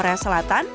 jadi lokasi syuting